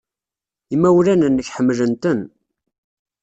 Imawlan-nnek ḥemmlen-ten.